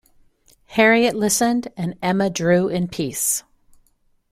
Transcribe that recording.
Harriet listened, and Emma drew in peace.